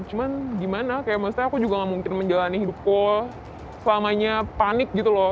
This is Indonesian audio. cuman gimana kayak maksudnya aku juga gak mungkin menjalani hidupku selamanya panik gitu loh